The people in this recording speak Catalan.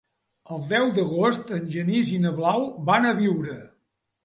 El deu d'agost en Genís i na Blau van a Biure.